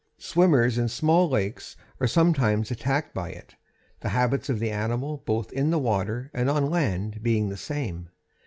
Swimmers in small lakes are sometimes attacked by it, the habits of the animal both in the water and on land being the same.